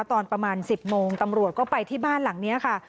ตอนประมาณ๑๐โมงตำรวจก็ไปที่บ้านหลังนี้ค่ะ